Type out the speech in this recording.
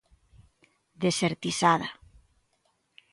¡Desertizada!